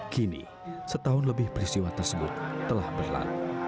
kini setahun lebih peristiwa tersebut telah berlalu